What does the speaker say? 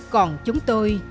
còn chúng tôi